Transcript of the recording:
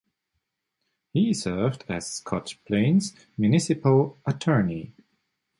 He served as Scotch Plains Municipal Attorney.